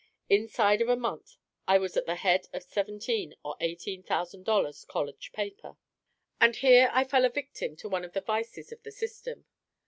Inside of a month I was at the head of seventeen or eighteen thousand dollars, college paper. And here I fell a victim to one of the vices of the system.